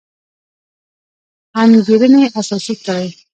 انګېرنې اساس کړی.